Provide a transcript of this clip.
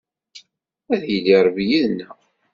Ad yili Ṛebbi yid-neɣ.